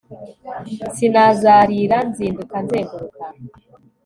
sinazarira nzinduka nzenguruka